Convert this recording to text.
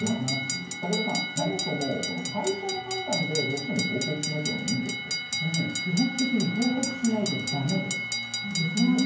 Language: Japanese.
そもそも会社の判断で労基署に報告しないというのは基本的に報告しなければだめです。